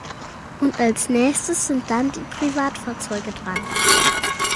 Und als Nächstes sind dann die Privatfahrzeuge dran.